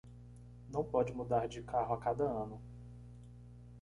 Não pode mudar de carro a cada ano